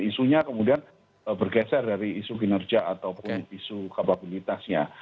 isunya kemudian bergeser dari isu kinerja ataupun isu kapabilitasnya